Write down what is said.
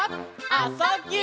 「あ・そ・ぎゅ」